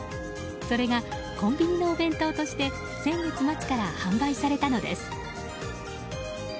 それがコンビニのお弁当として先月末から販売されたのです。